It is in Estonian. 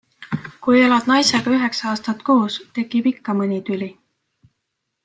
Kui elad naisega üheksa aastat koos, tekib ikka mõni tüli.